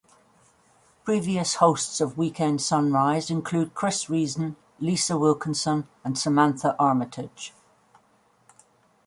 Previous hosts of "Weekend Sunrise" include Chris Reason, Lisa Wilkinson and Samantha Armytage.